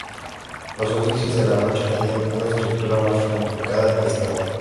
Los oficios de la noche tenían una estructura más complicada y estable.